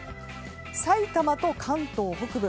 さいたまと関東北部